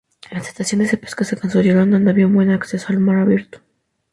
Las estaciones de pesca se construyeron donde había un buen acceso al mar abierto.